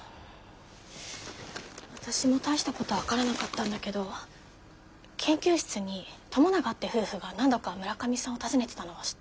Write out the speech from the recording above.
私も大したことは分からなかったんだけど研究室に友永って夫婦が何度か村上さんを訪ねてたのは知ってる？